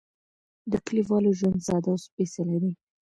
د کليوالو ژوند ساده او سپېڅلی دی.